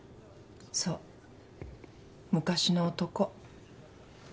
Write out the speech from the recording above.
そう昔の男。